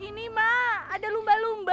ini mah ada lumba lumba